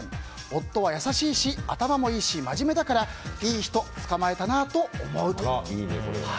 夫は優しいし頭もいいし真面目だからいい人つかまえたなと思うと。